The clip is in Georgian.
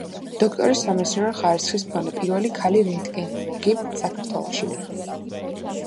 დოქტორის სამეცნიერო ხარისხის მქონე პირველი ქალი რენტგენოლოგი საქართველოში.